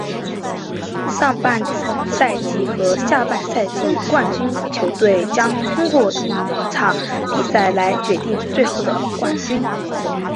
上半赛季和下半赛季冠军球队将通过一场比赛来决定最后的冠军。